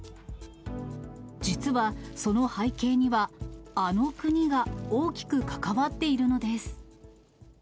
実はその背景には、あの国が大きく関わっているのです。